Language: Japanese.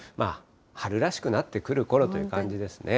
春らしくなってくるころという感じですね。